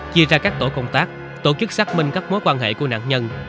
chia ra các tổ công tác tổ chức xác minh các mối quan hệ của nạn nhân